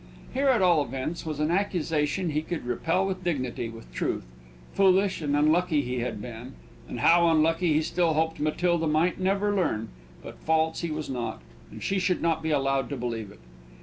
Here, at all events, was an accusation he could repel with dignity, with truth. Foolish and unlucky he had been and how unlucky he still hoped Matilda might never learn but false he was not; and she should not be allowed to believe it.